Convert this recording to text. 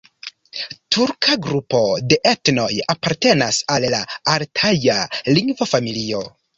Turka grupo de etnoj apartenas al la altaja lingvofamilio.